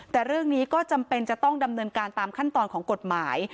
แต่เรื่องนี้ก็จำเป็นจะต้องดำเนินการตามขั้นตอนของกฎหมาย